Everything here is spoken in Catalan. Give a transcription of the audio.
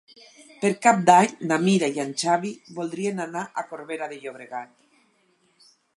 Per Cap d'Any na Mira i en Xavi voldrien anar a Corbera de Llobregat.